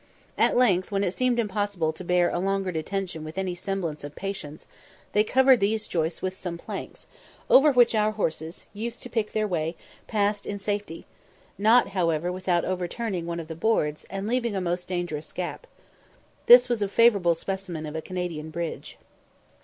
At length, when it seemed impossible to bear a longer detention with any semblance of patience, they covered these joists with some planks, over which our horses, used to pick their way, passed in safety, not, however, without overturning one of the boards, and leaving a most dangerous gap. This was a favourable specimen of a Canadian bridge.